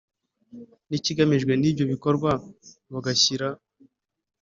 N ikigamijwe n ibyo bikorwa bagashyira